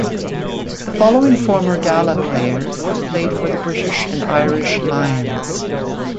The following former Gala players have played for the British and Irish Lions.